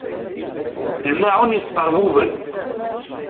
Lmaεun yesqerbuben.